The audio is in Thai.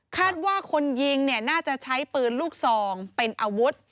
คาดว่าคนยิงเนี่ยน่าจะใช้ปืนลูกซองเป็นอาวุธ